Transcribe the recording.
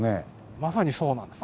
まさにそうなんです。